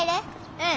うん。